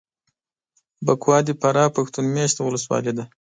بکوا دفراه پښتون مېشته ولسوالي ده